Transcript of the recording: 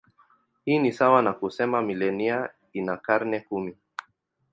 Hii ni sawa na kusema milenia ina karne kumi.